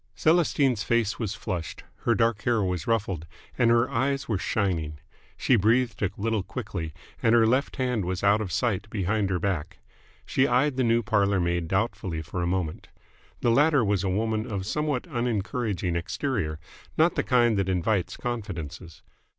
Celestine's face was flushed, her dark hair was ruffled, and her eyes were shining. She breathed a little quickly, and her left hand was out of sight behind her back. She eyed the new parlour maid doubtfully for a moment. The latter was a woman of somewhat unencouraging exterior, not the kind that invites confidences.